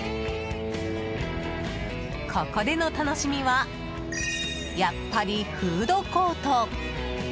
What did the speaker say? ここでの楽しみはやっぱりフードコート。